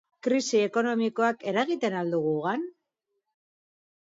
Krisi ekonomikoak eragiten al du gugan?